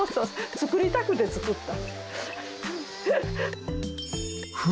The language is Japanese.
造りたくて造った。